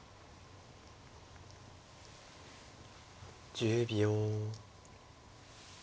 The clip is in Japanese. １０秒。